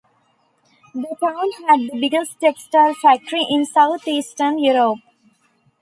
The town had the biggest textile factory in south-eastern Europe.